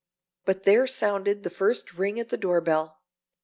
But there sounded the first ring at the door bell!